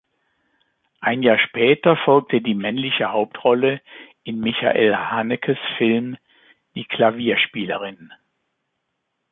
Ein Jahr später folgte die männliche Hauptrolle in Michael Hanekes Film "Die Klavierspielerin".